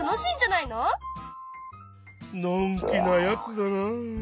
のんきなやつだな。